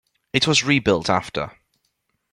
It was rebuilt after.